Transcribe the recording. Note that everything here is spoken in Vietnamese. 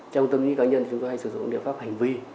trong tâm lý ca nhân thì chúng tôi hay sử dụng các liệu pháp hành vi